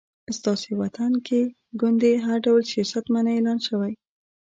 ستاسې وطن کې ګوندي او هر ډول سیاست منع اعلان شوی